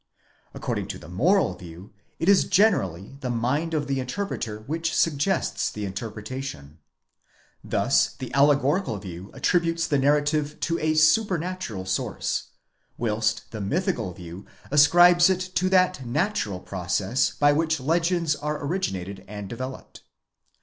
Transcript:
(According to the moral view it is generally the mind of the interpreter which suggests the interpretation.) Thus the allegorical view attributes the narrative to a supernatural source, whilst the mythical view ascribes it to that watural process by which legends are originated and developed.